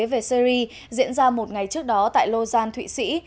về syri diễn ra một ngày trước đó tại lô gian thụy sĩ